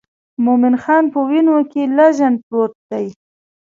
مومن خان په وینو کې لژند پروت دی.